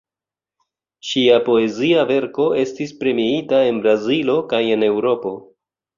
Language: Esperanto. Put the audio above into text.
Ŝia poezia verko estis premiita en Brazilo kaj en Eŭropo.